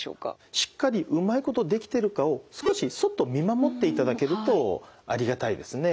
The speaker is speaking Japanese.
しっかりうまいことできてるかを少しそっと見守っていただけるとありがたいですね。